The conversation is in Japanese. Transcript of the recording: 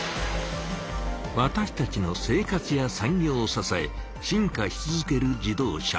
わたしたちの生活や産業をささえ進化し続ける自動車。